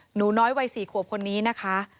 หนูน้อยวัย๔ขวบคนนี้นะคะ